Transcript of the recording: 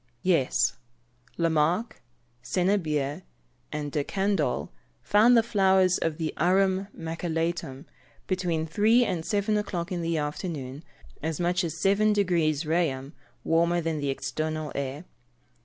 _ Yes. Lamarck, Senebier, and De Candolle, found the flowers of the Arum Maculatum, between three and seven o'clock in the afternoon, as much as 7 deg. Reaum. warmer than the external air.